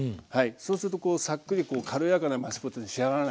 そうするとこうさっくり軽やかなマッシュポテトに仕上がらないですね。